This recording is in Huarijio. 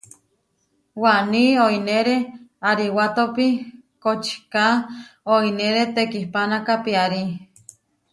Waní oínere ariwátopi kočiká oínere tekihpánaka piarí.